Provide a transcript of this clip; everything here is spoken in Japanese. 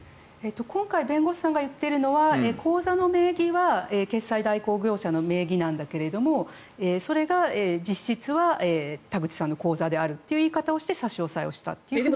今回弁護士さんが言っているのは口座の名義は決済代行業者の名義なんだけどもそれが実質は田口さんの口座であるという言い方をして差し押さえをしたと。